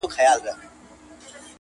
ورباندي وځړوې.